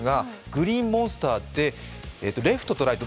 グリーンモンスターってレフトとライト。